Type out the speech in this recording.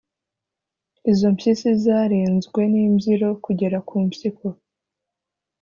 Izo mpyisi zarenzwe n'imbyiro kugera kumpyiko